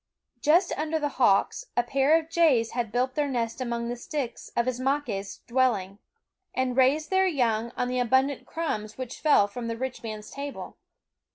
Just under the hawks a pair of jays had built their nest among the sticks of Ismaques' dwelling, and raised their young on the THE WOODS abundant crumbs which fell from the rich man's table.